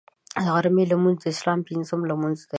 د غرمې لمونځ د اسلام پنځم لمونځ دی